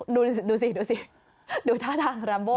ดูสิดูท่าทางแรมโบ